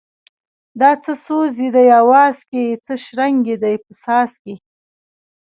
دا څه سوز یې دی اواز کی څه شرنگی یې دی په ساز کی